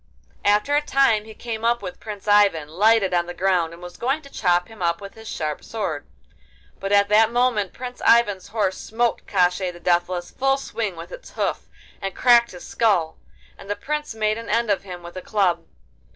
After a time he came up with Prince Ivan, lighted on the ground, and was going to chop him up with his sharp sword. But at that moment Prince Ivan's horse smote Koshchei the Deathless full swing with its hoof, and cracked his skull, and the Prince made an end of him with a club.